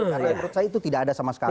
karena menurut saya itu tidak ada sama sekali